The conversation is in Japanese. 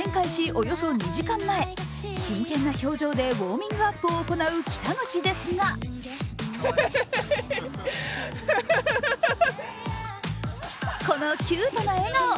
およそ２時間前、真剣な表情でウォーミングアップを行う北口ですがこのキュートな笑顔。